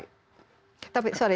tapi sorry saya interupsi disini